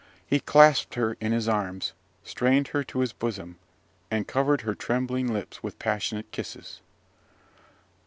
He clasped her in his arms, strained her to his bosom, and covered her trembling lips with passionate kisses.